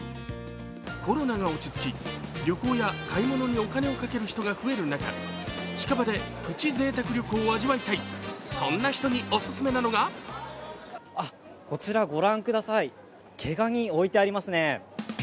コロナが落ち着き、旅行や買い物にお金をかける人が増える中、近場でプチぜいたく旅行を味わいたい、そんな人にお勧めなのがあっ、こちらご覧ください毛がに、置いてありますね。